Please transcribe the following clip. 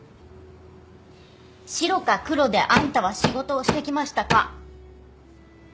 シロかクロであんたは仕事をしてきましたか？